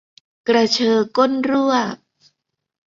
กระเชอก้นรั่ว